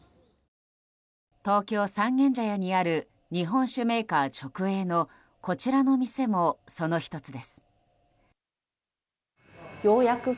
東京・三軒茶屋にある日本酒メーカー直営のこちらの店も、その一つです。